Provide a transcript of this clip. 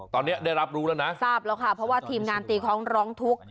ตอนนี้ได้รับรู้แล้วนะทราบแล้วค่ะเพราะว่าทีมงานตีคล้องร้องทุกข์